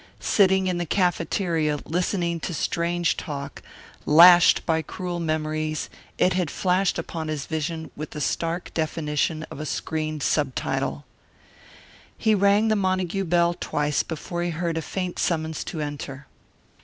Sitting in the cafeteria listening to strange talk, lashed by cruel memories, it had flashed upon his vision with the stark definition of a screened subtitle. He rang the Montague bell twice before he heard a faint summons to enter.